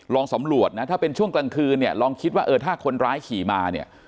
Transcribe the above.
สำรวจนะถ้าเป็นช่วงกลางคืนเนี่ยลองคิดว่าเออถ้าคนร้ายขี่มาเนี่ย